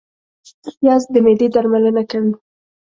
پیاز د معدې درملنه کوي